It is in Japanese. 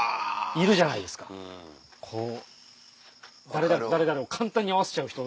いるじゃないですかこう誰々と誰々を簡単に会わせちゃう人。